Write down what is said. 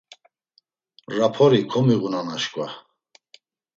Rapori komiğunan aşǩva.